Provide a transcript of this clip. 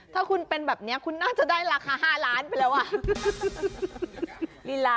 ถ้าคุณเป็นแบบนี้คุณน่าจะได้ราคา๕ล้านไปแล้วอ่ะ